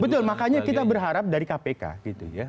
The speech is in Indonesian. betul makanya kita berharap dari kpk gitu ya